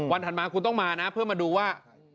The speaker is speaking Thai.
ถัดมาคุณต้องมานะเพื่อมาดูว่า